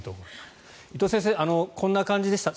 伊藤先生こんな感じでした。